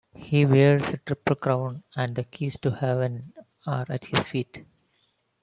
He wears a triple crown, and the keys to Heaven are at his feet.